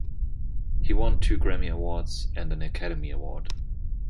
He won two Grammy Awards and an Academy Award.